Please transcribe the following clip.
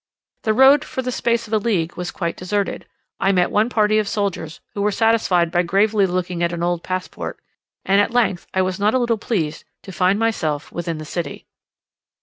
The road for the space of a league was quite deserted. I met one party of soldiers, who were satisfied by gravely looking at an old passport: and at length I was not a little pleased to find myself within the city.